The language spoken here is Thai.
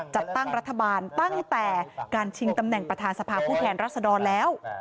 จัดตั้งรัฐบาลตั้งแต่การชิงตำแหน่งประธานสภาผู้แทนรัศดรแล้ว